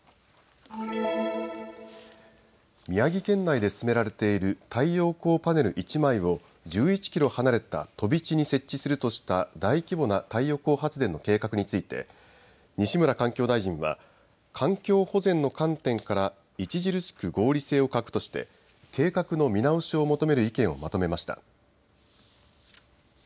宮城県内で進められている太陽光パネル１枚を１１キロ離れた飛び地に設置するとした大規模な太陽光発電の計画について西村環境大臣は環境保全の観点から著しく合理性を欠くとして計画の見直しを求める意見をまとめました。